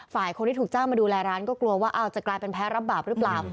ฝ่ายคนที่ถูกจ้างมาดูแลร้านก็กลัวว่าจะกลายเป็นแพ้รับบาปหรือเปล่า